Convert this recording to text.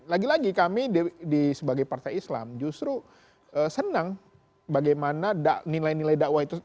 lagi lagi kami sebagai partai islam justru senang bagaimana nilai nilai dakwah itu